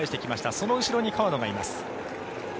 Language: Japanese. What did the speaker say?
その後ろに川野がいます。